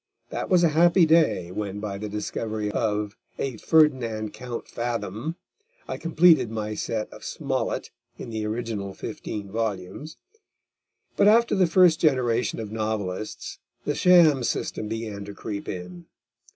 That was a happy day, when by the discovery of a Ferdinand Count Fathom, I completed my set of Smollett in the original fifteen volumes. But after the first generation of novelists, the sham system began to creep in.